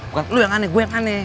bukan lu yang aneh gue yang aneh